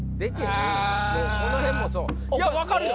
もうこの辺もそういや分かるよ